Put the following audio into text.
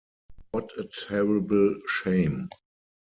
What a terrible shame!